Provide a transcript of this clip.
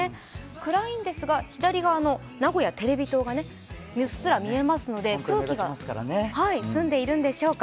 暗いんですが、左側の名古屋テレビ塔がうっすら見えますので空気が澄んでいるんでしょうか。